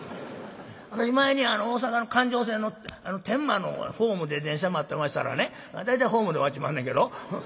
私前に大阪の環状線に乗って天満のホームで電車待ってましたらね大体ホームで待ちまんねんけど。